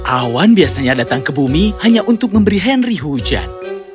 awan biasanya datang ke bumi hanya untuk memberi henry hujan